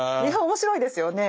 面白いですよね。